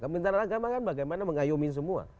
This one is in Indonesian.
kementerian agama kan bagaimana mengayomi semua